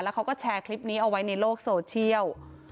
เขาก็แชร์คลิปนี้เอาไว้ในโลกโซเชียล